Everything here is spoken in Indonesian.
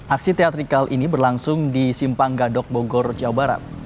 aksi teatrikal ini berlangsung di simpang gadok bogor jawa barat